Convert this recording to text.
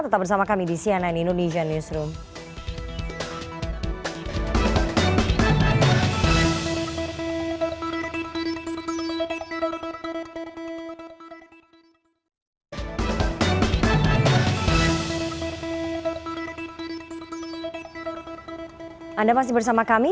tetap bersama kami